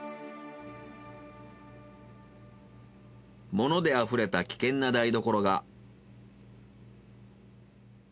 物であふれた危険な台所が。